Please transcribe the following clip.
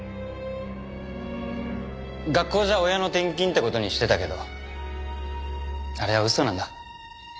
学校じゃ親の転勤って事にしてたけどあれは嘘なんだ。